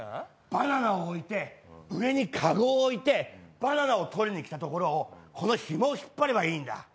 バナナを置いて上に籠を置いてバナナをとりに来たところをこのひもを引っ張ればいいんだ。